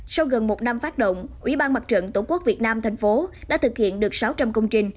sau gần một năm phát động ủy ban mặt trận tổ quốc việt nam thành phố đã thực hiện được sáu trăm linh công trình